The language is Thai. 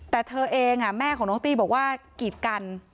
แต่เธอเองแม่ของน้องตี้บอกว่ากีดกัน